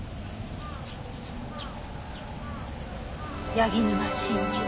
柳沼真治。